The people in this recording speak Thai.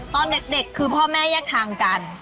ตอนเด็กคือพ่อแม่แยกทางกัน